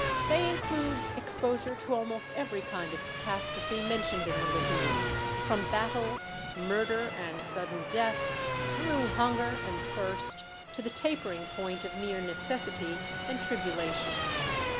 They include exposure to almost every kind of catastrophe mentioned in the Litany, from battle, murder, and sudden death, through hunger and thirst, to the tapering point of mere necessity and tribulation.